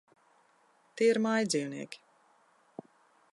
Tie ir mājdzīvnieki.